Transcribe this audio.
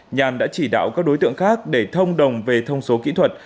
nhàn đã chỉ đạo các đối tượng khác để thông đồng về thông số kỹ thuật